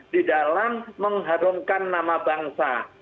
di dalam mengharumkan nama bangsa